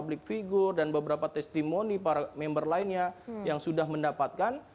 public figure dan beberapa testimoni para member lainnya yang sudah mendapatkan